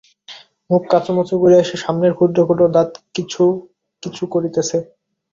মুখ কঁচুমাচু করিয়া সে সামনের ক্ষুদ্র ক্ষুদ্র দাঁত কিছু কিচু করিতেছে।